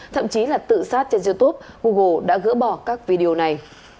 thậm chí là tự sát trên youtube google đã gỡ bỏ các video này